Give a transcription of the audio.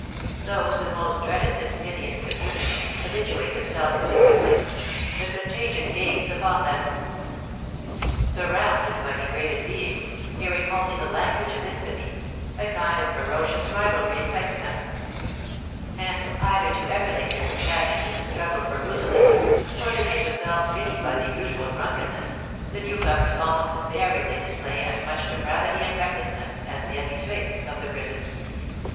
Those who most dreaded this hideous community habituate themselves to it quickly; the contagion gains upon them. Surrounded by degraded beings, hearing only the language of infamy, a kind of ferocious rivalry excites them; and, either to emulate their companions in the struggle for brutalism, or to make themselves giddy by the usual drunkenness, the newcomers almost invariably display as much depravity and recklessness as the habitués of the prison.